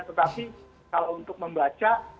tetapi kalau untuk membaca